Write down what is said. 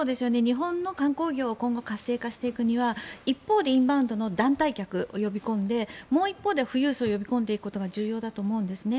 日本の観光業を今後、活性化していくには一方でインバウンドの団体客を呼び込んでもう一方で富裕層を呼び込んでいくことが重要だと思うんですね。